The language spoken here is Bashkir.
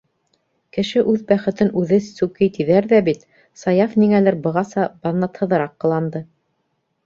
Кеше үҙ бәхетен үҙе сүкей тиҙәр ҙә бит, Саяф ниңәлер бығаса баҙнатһыҙыраҡ ҡыланды.